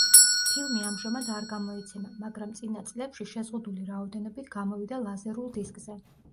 ფილმი ამჟამად არ გამოიცემა, მაგრამ წინა წლებში შეზღუდული რაოდენობით გამოვიდა ლაზერულ დისკზე.